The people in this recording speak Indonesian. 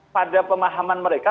pada pemahaman mereka